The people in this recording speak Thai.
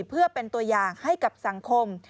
เพื่อเป็นตัวอย่างให้กับสังคม